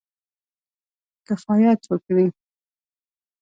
کفایت وکړي.